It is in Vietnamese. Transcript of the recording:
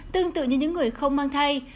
tương tự như những người không mang thai